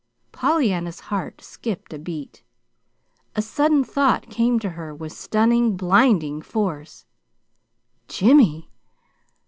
Pollyanna's heart skipped a beat. A sudden thought came to her with stunning, blinding force. JIMMY!